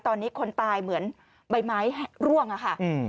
ตอนนี้คนตายเหมือนใบไม้ร่วงอะค่ะ